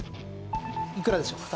いくらでしょうか？